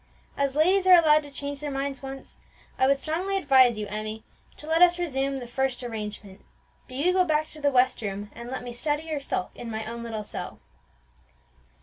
As ladies are allowed to change their minds once, I would strongly advise you, Emmie, to let us resume the first arrangement: do you go back to the west room, and let me study or sulk in my own little cell."